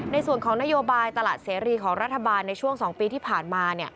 ในส่วนของนโยบายตลาดเสรีของรัฐบาลในช่วง๒ปีที่ผ่านมา